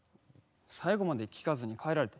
最後まで聴かずに帰られた。